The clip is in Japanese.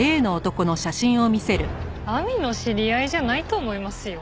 亜美の知り合いじゃないと思いますよ。